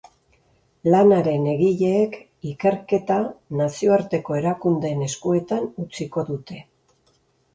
Lanaren egileek ikerketa nazioarteko erakundeen eskuetan utziko dute.